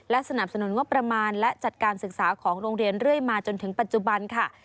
สนับสนุนงบประมาณและจัดการศึกษาของโรงเรียนเรื่อยมาจนถึงปัจจุบันค่ะ